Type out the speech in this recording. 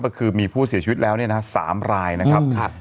ก็คือมีผู้เสียชีวิตแล้วเนี่ยนะครับ๓รายนะครับ